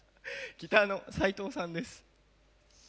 ギターの斎藤さんです。